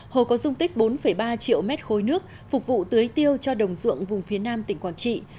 hồ có dung tích bốn ba triệu mét khối nước phục vụ tưới tiêu cho đồng ruộng vùng phía nam tỉnh quảng trị